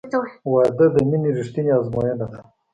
• واده د مینې رښتینی ازموینه ده.